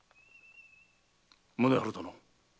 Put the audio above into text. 宗春殿。